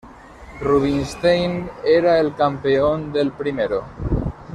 Rubinstein era el campeón del primero.